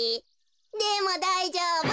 でもだいじょうぶ。